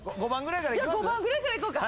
じゃあ５番ぐらいからいこうか。